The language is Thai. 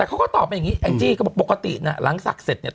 แต่เขาก็ตอบไปอย่างนี้แองจี้ก็บอกปกติน่ะหลังศักดิ์เสร็จเนี่ย